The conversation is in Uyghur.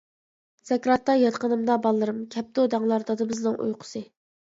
سەكراتتا ياتقىنىمدا بالىلىرىم، كەپتۇ دەڭلار دادىمىزنىڭ ئۇيقۇسى.